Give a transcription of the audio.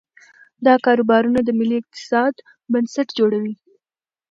دا کاروبارونه د ملي اقتصاد بنسټ جوړوي.